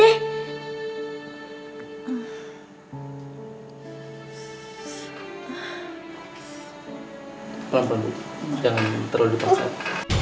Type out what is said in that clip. lepas budi jangan terlalu depan saya